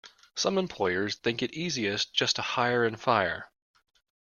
Some employers think it easiest just to hire and fire.